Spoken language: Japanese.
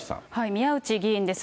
宮内議員です。